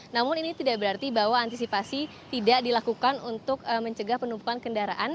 namun ini tidak berarti bahwa antisipasi tidak dilakukan untuk mencegah penumpukan kendaraan